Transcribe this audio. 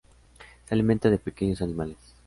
Se alimenta de pequeños animales.